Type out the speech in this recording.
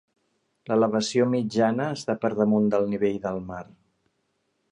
L'elevació mitjana està per damunt del nivell del mar.